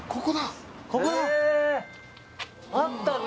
ここだ！